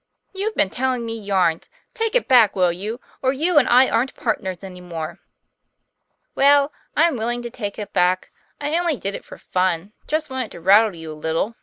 59 "You've been telling me yarns. Take it back, will you, or you and I aren't partners any more." "' Well, I'm willing to take it back. I only did it for fun, just wanted to rattle you a little.